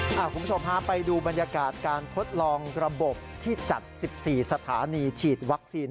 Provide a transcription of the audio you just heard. คุณผู้ชมฮะไปดูบรรยากาศการทดลองระบบที่จัด๑๔สถานีฉีดวัคซีน